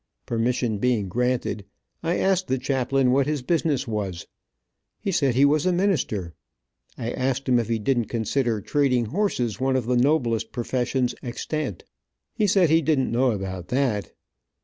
Permission being granted, I asked the chaplain what his business was. He said he was a minister. I asked him if he didn't consider trading horses one of the noblest professions extant. He said he didn't know about that.